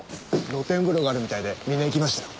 露天風呂があるみたいでみんな行きましたよ。